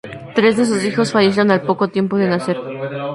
Tres de sus hijos fallecieron al poco tiempo de nacer.